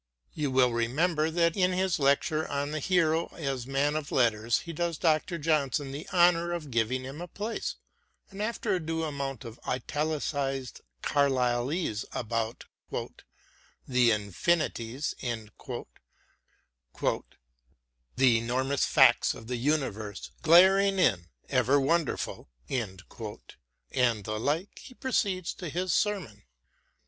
You will remember that in his Lecture on the hero as Man of Letters he does Dr. Johnson the honour to give him a place, and after a due amount of italicised Carlylese about " the infinites," "the enormous facts of the Universe glaring in for ever wonderful," and the like he proceeds to his sermon.